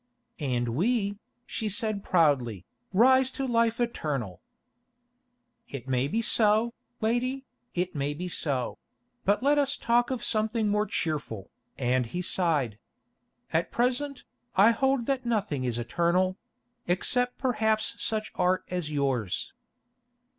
"And we," she said proudly, "rise to life eternal." "It may be so, lady, it may be so; but let us talk of something more cheerful," and he sighed. "At present, I hold that nothing is eternal—except perhaps such art as yours."